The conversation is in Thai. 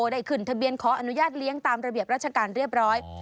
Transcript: ได้ขึ้นทะเบียนขออนุญาตเลี้ยงตามระเบียบราชการเรียบร้อย